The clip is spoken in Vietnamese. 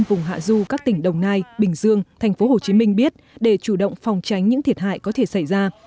vùng hạ du các tỉnh đồng nai bình dương thành phố hồ chí minh biết để chủ động phòng tránh những thiệt hại có thể xảy ra